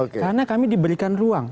karena kami diberikan ruang